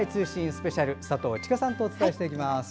スペシャル佐藤千佳さんとお伝えいたします。